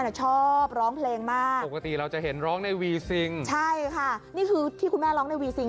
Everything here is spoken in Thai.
น่ะชอบร้องเพลงมากปกติเราจะเห็นร้องในวีซิงใช่ค่ะนี่คือที่คุณแม่ร้องในวีซิง